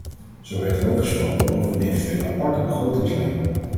Zo werd er ook gesproken over een eventuele aparte begrotingslijn.